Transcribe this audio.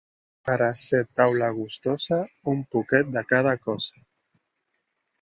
Per a ser taula gustosa, un poquet de cada cosa.